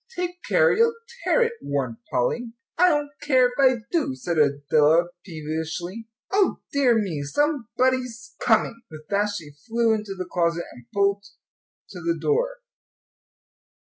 "Take care, you'll tear it," warned Polly. "I don't care if I do," said Adela, peevishly. "O dear me, somebody's coming!" With that she flew into the closet and pulled to the door.